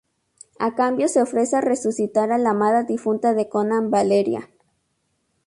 A cambio se ofrece a resucitar a la amada difunta de Conan, Valeria.